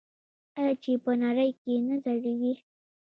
آیا چې په نړۍ کې نه ځلیږي؟